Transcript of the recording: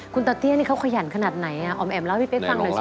คุณตาเตี้ยนี่เขาขยันขนาดไหนออมแอ๋มเล่าให้พี่เป๊กฟังหน่อยสิ